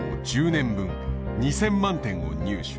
１０年分２，０００万点を入手。